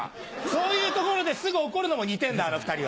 そういうところですぐ怒るのも似てるんだあの２人は。